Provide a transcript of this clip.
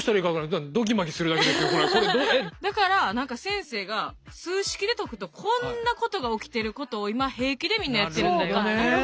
だから先生が数式で解くとこんなことが起きてることを今平気でみんなやってるんだよっていう。